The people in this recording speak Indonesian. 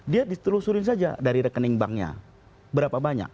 dia ditelusurin saja dari rekening banknya berapa banyak